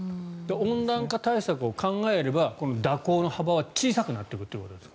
温暖化対策を考えれば蛇行の幅は小さくなってくるということですか？